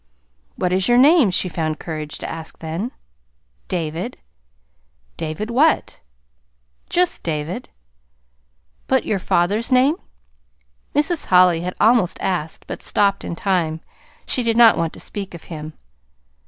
"What is your name?" she found courage to ask then. "David." "David what?" "Just David." "But your father's name?" Mrs. Holly had almost asked, but stopped in time. She did not want to speak of him.